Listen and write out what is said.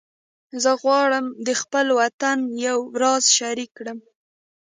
زه غواړم د خپل باطن یو راز شریک کړم